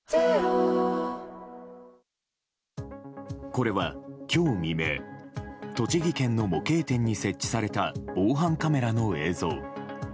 これは今日未明栃木県の模型店に設置された防犯カメラの映像。